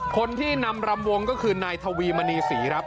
คนที่นำรำวงก็คือนายทวีมณีศรีครับ